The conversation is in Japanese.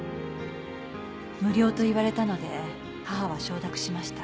無料と言われたので母は承諾しました。